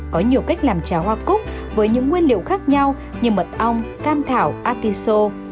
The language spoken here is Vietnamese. có nhiều cách làm trà hoa cúc với những nguyên liệu khác nhau như mật ong cam thảo atiso